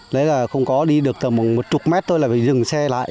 đấy là không có đi được tầm một chục mét thôi là phải dừng xe lại